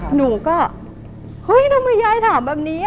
หนูก็เฮ้ยทำไมยายถามแบบนี้